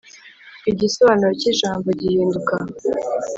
igisobanuro ki jambo gihinduka